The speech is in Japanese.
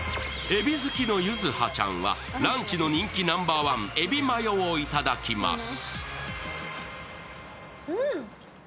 えび好きの柚葉ちゃんはランチの人気ナンバーワンエビマヨをいただきます。